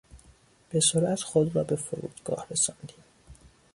به سرعت خود را به فرودگاه رساندیم.